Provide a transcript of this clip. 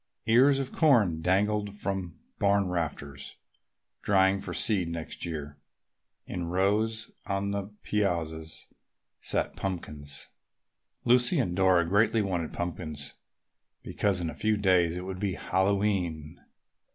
Ears of corn dangled from barn rafters, drying for seed next year. In rows on the piazzas sat pumpkins. Lucy and Dora greatly wanted pumpkins because in a few days it would be Hallowe'en.